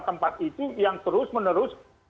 tempat itu yang terus menerus